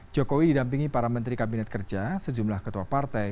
jokowi didampingi para menteri kabinet kerja sejumlah ketua partai